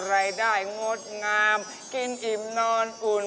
งดงามกินอิ่มนอนอุ่น